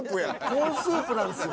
コーンスープなんですよ